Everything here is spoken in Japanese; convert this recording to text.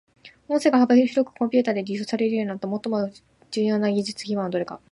音声が幅広くコンピュータで利用されるようになった最も重要な技術基盤はどれか。